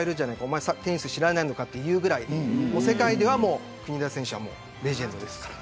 おまえ、テニス知らないのかというぐらい世界では国枝選手はレジェンドですから。